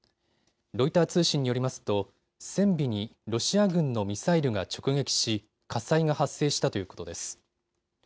ロイター通信によりますと船尾にロシア軍のミサイルが直撃し火災が発生したということです。